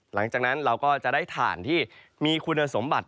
หลังจากนั้นเราก็จะได้ถ่านที่มีคุณสมบัติ